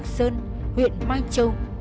hàng sơn huyện mai châu